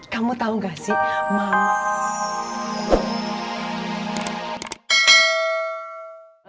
kamu tau gak sih mama